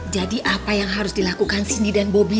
jadi apa yang harus dilakukan cindy dan bobby